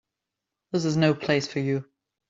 This is no place for you.